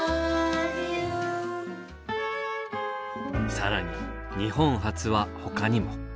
更に日本初はほかにも。